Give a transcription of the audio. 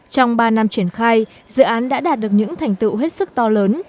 trong ba năm triển khai dự án đã đạt được những thành tựu hết sức to lớn